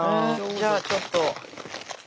じゃあちょっと。